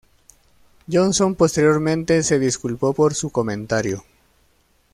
Johnson posteriormente se disculpó por su comentario.